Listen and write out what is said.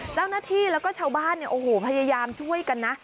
เจ้าหน้าที่แล้วก็ชาวบ้านพยายามช่วยกันนะ